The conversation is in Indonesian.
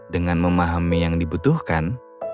dengan memahami yang dibutuhkan